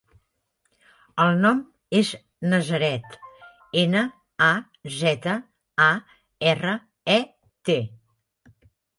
El nom és Nazaret: ena, a, zeta, a, erra, e, te.